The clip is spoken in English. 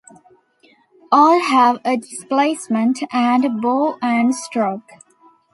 All have a displacement and bore and stroke.